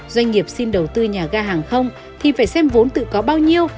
doanh nghiệp xin đầu tư nhà ga hàng không thì phải xem vốn tự có bao nhiêu